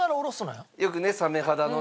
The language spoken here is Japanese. よくねサメ肌のなんか。